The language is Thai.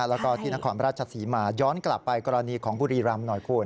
แล้วก็ที่นครราชศรีมาย้อนกลับไปกรณีของบุรีรำหน่อยคุณ